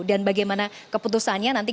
dan bagaimana keputusannya